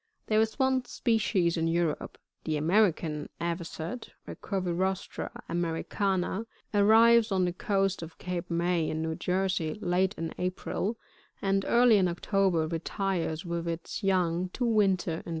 There is one species in Europe [The American Aooset, — Recurvirostra americana, — arrives on the coast of Cape May, in New Jersey, late in April, and early in October retires with its young to winter in the South.